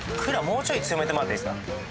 もうちょい強めてもらっていいですか？